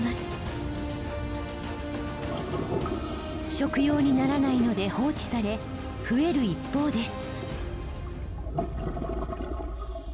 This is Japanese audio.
食用にならないので放置され増える一方です。